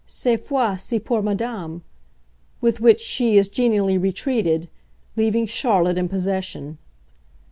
"Cette fois ci pour madame!" with which she as genially retreated, leaving Charlotte in possession.